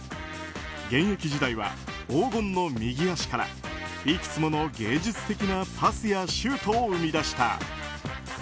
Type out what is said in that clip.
現役時代は黄金の右足からいくつもの芸術的なパスやシュートを生み出した。